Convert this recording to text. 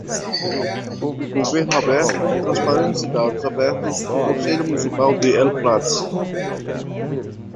Governo aberto, transparência e dados abertos no Conselho Municipal de El Prat.